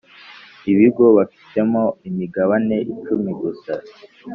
ibigo bafitemo imigabaneni icumi gusa